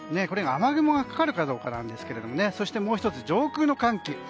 これが雨雲がかかるかどうかなんですがそしてもう１つ、上空の寒気。